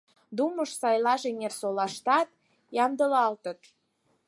Думыш сайлаш Эҥерсолаштат ямдылалтыт.